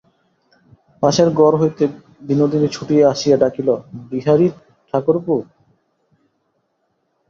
পাশের ঘর হইতে বিনোদিনী ছুটিয়া আসিয়া ডাকিল, বিহারী-ঠাকুরপো!